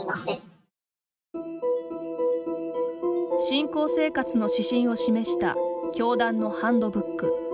信仰生活の指針を示した教団のハンドブック。